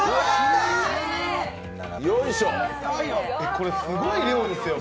これ、すごい量ですよ！